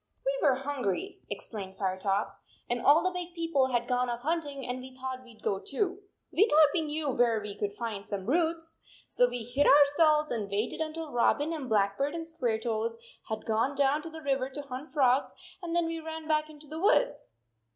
"We were hungry," explained Firetop, "and all the big people had gone off hunt ing, and we thought we d go too. We thought we knew where we could find some roots. So we hid ourselves and waited un til Robin and Blackbird and Squaretoes had gone down to the river to hunt frogs, and then we ran back into the woods."